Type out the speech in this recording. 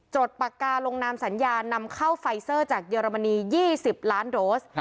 ปากกาลงนามสัญญานำเข้าไฟเซอร์จากเยอรมนี๒๐ล้านโดส